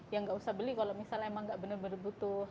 ya nggak usah beli kalau misal emang nggak bener bener butuh